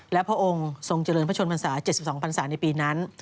และพระองค์ทรงเจริญพระชนพรรษา๗๒พันศาในปีนั้น